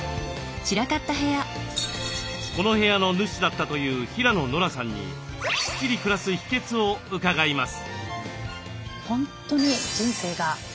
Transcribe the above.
この部屋の主だったという平野ノラさんにスッキリ暮らす秘けつを伺います。